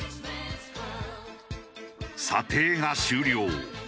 査定が終了。